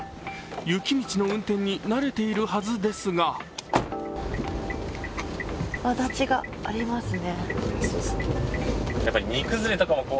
雪道の運転に慣れているはずですがわだちがありますね。